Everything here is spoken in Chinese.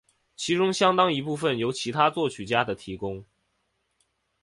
其中相当一部分由其他作曲家的提供。